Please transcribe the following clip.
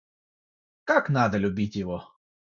Как надо любить его?